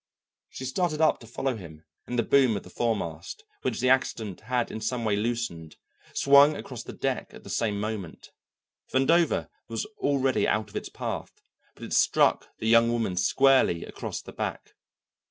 She started up to follow him and the boom of the foremast, which the accident had in some way loosened, swung across the deck at the same moment. Vandover was already out of its path but it struck the young woman squarely across the back.